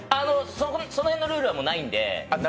その辺のルールは、もうないんで。